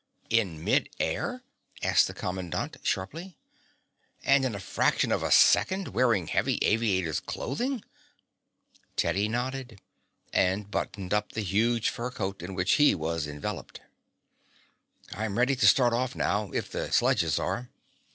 "In mid air?" asked the commandant sharply. "And in a fraction of a second, wearing heavy aviator's clothing?" Teddy nodded, and buttoned up the huge fur coat in which he was enveloped. "I'm ready to start off now, if the sledges are."